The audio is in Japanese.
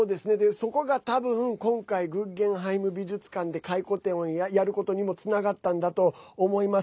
そこがたぶん、今回グッゲンハイム美術館で回顧展をやることにもつながったんだと思います。